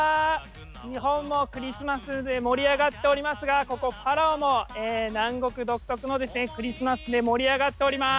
日本もクリスマスで盛り上がっておりますが、ここ、パラオも、南国独特のクリスマスで盛り上がっております。